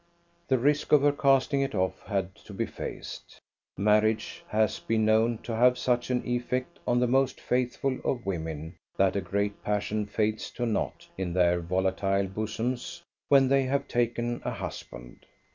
The risk of her casting it of had to be faced. Marriage has been known to have such an effect on the most faithful of women that a great passion fades to naught in their volatile bosoms when they have taken a husband.